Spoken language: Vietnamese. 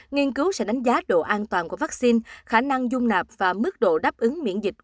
nghiên cứu sẽ đánh giá độ an toàn của vaccine khả năng dung nạp và mức độ đáp ứng miễn dịch